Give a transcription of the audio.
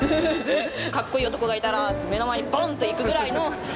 かっこいい男がいたら、目の前にぼんっていくぐらいの。